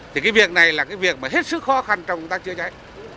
thì cái việc này là cái việc mà hết sức khó khăn trong công tác chữa cháy